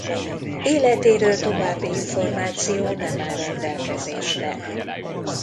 Életéről további információ nem áll rendelkezésre.